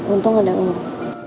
untung gak ada kamu